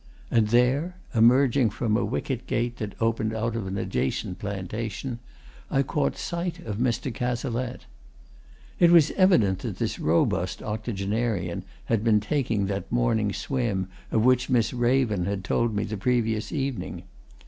And there, emerging from a wicket gate that opened out of an adjacent plantation, I caught sight of Mr. Cazalette. It was evident that this robust octogenarian had been taking that morning swim of which Miss Raven had told me the previous evening.